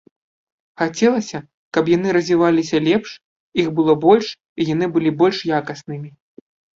Хацелася, каб яны развіваліся лепш, іх было больш і яны былі больш якаснымі.